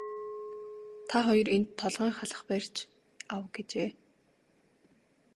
Та хоёр энд толгойн халх барьж ав гэжээ.